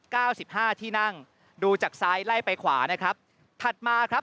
สิบห้าที่นั่งดูจากซ้ายไล่ไปขวานะครับถัดมาครับ